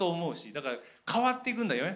だから変わっていくんだよね。